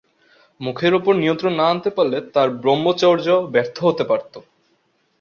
মুখের উপর নিয়ন্ত্রণ না আনতে পারলে তার ব্রহ্মচর্য ব্যর্থ হতে পারত।